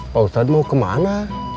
pak ustadz mau kemana